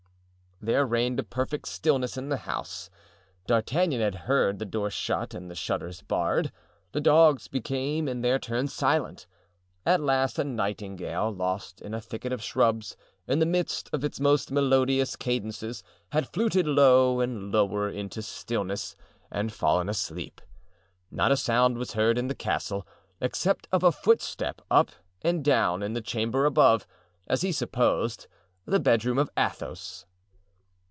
There reigned a perfect stillness in the house. D'Artagnan had heard the door shut and the shutters barred; the dogs became in their turn silent. At last a nightingale, lost in a thicket of shrubs, in the midst of its most melodious cadences had fluted low and lower into stillness and fallen asleep. Not a sound was heard in the castle, except of a footstep up and down, in the chamber above—as he supposed, the bedroom of Athos.